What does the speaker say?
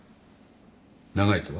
長いとは？